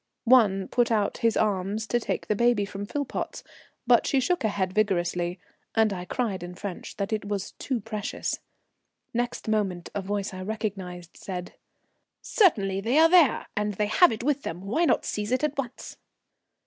One put out his arms to take the baby from Philpotts, but she shook her head vigorously, and I cried in French that it was too precious. Next moment a voice I recognized said: "Certainly they are there, and they have it with them. Why not seize it at once?"